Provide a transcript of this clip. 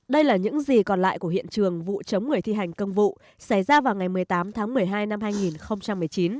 đây là những gì còn lại của hiện trường vụ chống người thi hành công vụ xảy ra vào ngày một mươi tám tháng một mươi hai năm hai nghìn một mươi chín